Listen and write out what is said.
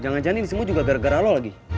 jangan jangan ini disebut juga gara gara lo lagi